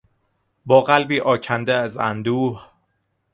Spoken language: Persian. با قلبی آکنده از اندوه